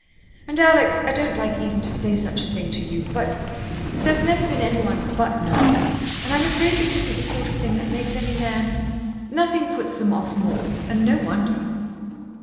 And, Alex, I don't like even to say such a thing to you but there's never been any one but Noel, and I'm afraid this isn't the sort of thing that makes any man.... Nothing puts them off more and no wonder."